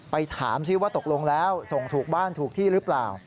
ไปถามซิว่าตกลงแล้วส่งถูกบ้านถูกที่หรือเปล่า